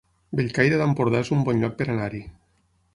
Bellcaire d'Empordà es un bon lloc per anar-hi